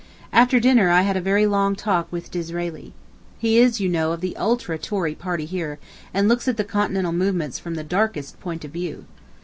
After dinner I had a very long talk with Disraeli. He is, you know, of the ultra Tory party here, and looks at the Continental movements from the darkest point of view.